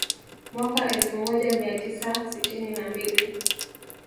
Mwaka elfu moja mia tisa sitini na mbili